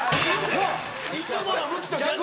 いつもの向きと逆。